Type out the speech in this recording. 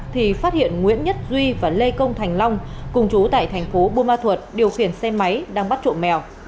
thì phát hiện nguyễn nhất duy và lê công thành long cùng chú tại thành phố buôn ma thuật điều khiển xe máy đang bắt trộm mèo